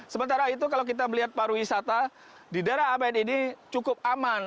sementara itu kalau kita melihat paru wisata di daerah amed ini cukup aman